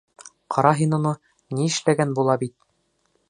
Ҡара Һин уны, ни эшләгән була бит!